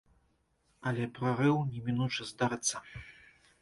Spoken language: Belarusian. Але прарыў немінуча здарыцца.